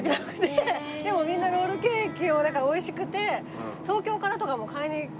でもみんなロールケーキをだから美味しくて。